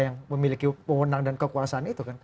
yang memiliki kekuasaan itu kan